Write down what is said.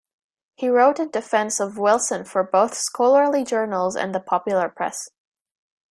He wrote in defense of Wilson for both scholarly journals and the popular press.